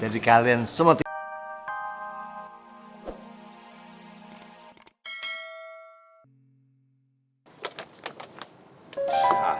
jadi kalian semua tipe